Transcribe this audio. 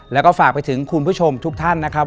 แล้วก็ฝากไปถึงคุณผู้ชมทุกท่านนะครับ